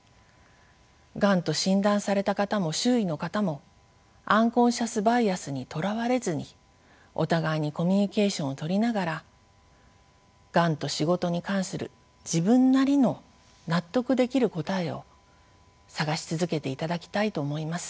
がんと診断された方も周囲の方もアンコンシャスバイアスにとらわれずにお互いにコミュニケーションをとりながらがんと仕事に関する自分なりの納得できる答えを探し続けていただきたいと思います。